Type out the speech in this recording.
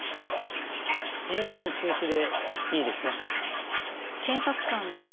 尋問中止でいいですね？